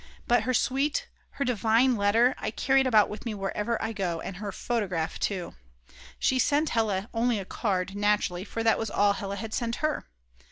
But her sweet, her divine letter, I carry it about with me wherever I go, and her photograph too. She sent Hella only a card, naturally, for that was all Hella had sent her.